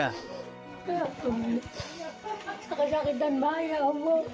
ya allah kesakitan bahaya allah